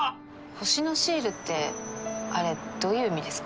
星のシールってあれどういう意味ですか？